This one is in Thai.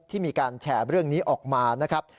ที่มีการแชร์เรื่องนี้ออกมานะครับ